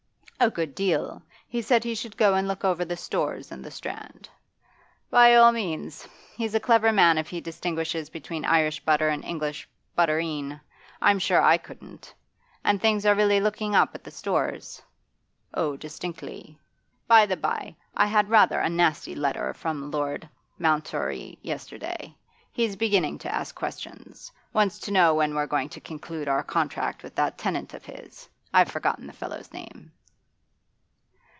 'A good deal. He said he should go and look over the Stores in the Strand.' 'By all means. He's a clever man if he distinguishes between Irish butter and English butterine I'm sure I couldn't. And things really are looking up at the Stores?' 'Oh, distinctly.' 'By the by, I had rather a nasty letter from Lord Mountorry yesterday. He's beginning to ask questions: wants to know when we're going to conclude our contract with that tenant of his I've forgotten the fellow's name.